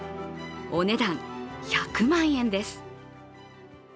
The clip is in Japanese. お値段、１００万円です。